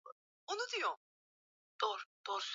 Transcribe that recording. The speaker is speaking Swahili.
Sukuma tena unga na upate umbo la chapati